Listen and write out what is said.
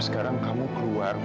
sekarang kamu keluar